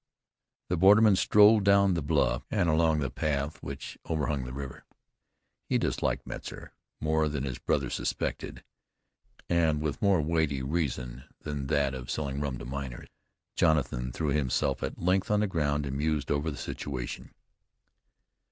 The borderman strolled down the bluff and along the path which overhung the river. He disliked Metzar more than his brother suspected, and with more weighty reason than that of selling rum to minors. Jonathan threw himself at length on the ground and mused over the situation.